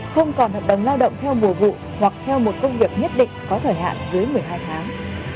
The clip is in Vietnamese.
không còn hợp đồng lao động theo mùa vụ hoặc theo một công việc nhất định có thời hạn dưới một mươi hai tháng